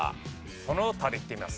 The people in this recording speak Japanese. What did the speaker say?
その他でいってみます。